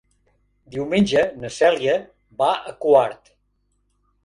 Diumenge na Cèlia va a Quart.